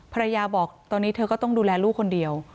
ภรรยาบอกตอนนี้เธอก็ต้องดูแลลูกคนเดียว